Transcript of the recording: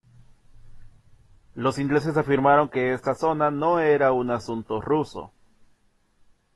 Los ingleses afirmaron que esta zona no era un asunto ruso.